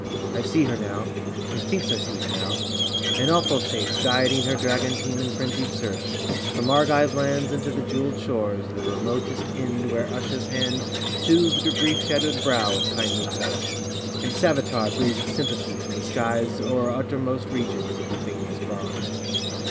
I see her now, Methinks I see her now, an awful shape Guiding her dragon team in frenzied search From Argive lands unto the jeweled shores Of the remotest Ind where Usha's hand Soothed her grief shadowed brow with kindly touch, And Savitar breathed sympathy from the skies O'er uttermost regions of the faneless Brahm.